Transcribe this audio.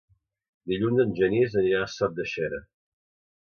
Dilluns en Genís anirà a Sot de Xera.